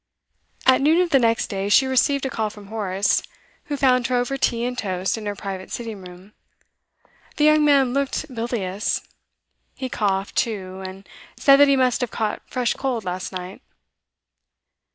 At noon of the next day she received a call from Horace, who found her over tea and toast in her private sitting room. The young man looked bilious; he coughed, too, and said that he must have caught fresh cold last night.